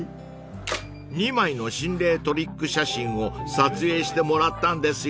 ［２枚の心霊トリック写真を撮影してもらったんですよね］